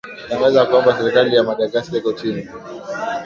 tangaza kwamba serikali ya madagascar iko chini